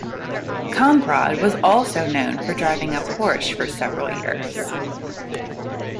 Kamprad was also known for driving a Porsche for several years.